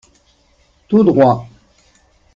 Tout droit